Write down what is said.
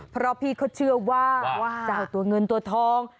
เพราะพี่เขาเชื่อว่าเจ้าตัวเงินตัวทอง